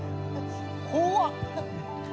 怖っ。